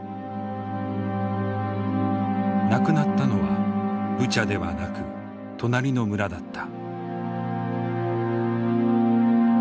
亡くなったのはブチャではなく隣の村だった。